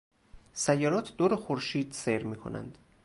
سیارات دور خورشید سیر میکنند.